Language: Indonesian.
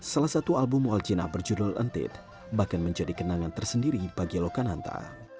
salah satu album waljina berjudul entit bahkan menjadi kenangan tersendiri bagi lokananta